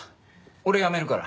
俺辞めるから。